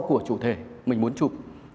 của chủ thể mình muốn chụp